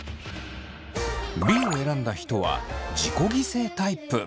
Ｂを選んだ人は自己犠牲タイプ。